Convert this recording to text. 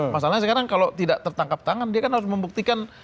masalahnya sekarang kalau tidak tertangkap tangan dia kan harus membuktikan